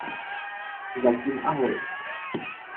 Zatím ahoj.